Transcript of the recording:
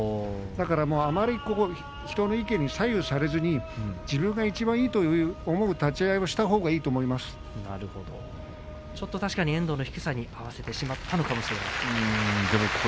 あまり人の意見に左右されずに自分が、いちばんいいと思う立ち合いをしたほうがちょっと確かに遠藤の低さに合わせてしまったのかもしれません。